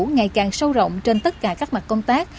ngày càng sâu rộng trên tất cả các mặt công tác